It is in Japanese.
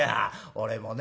「俺もね